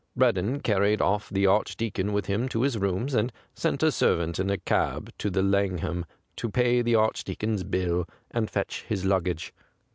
Breddon carried off the Archdeacon with him to his rooms, and sent a servant in a cab to the Langham to pay the Archdeacon's bill and fetch his luggage.